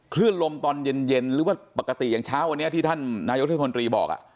เคลื่อนลมตอนเย็นวงเดือนกว่าปกติเช้าเนี่ยที่ท่านนายศพบอก